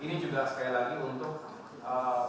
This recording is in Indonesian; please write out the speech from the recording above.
ini juga sekali lagi untuk mencegah konflik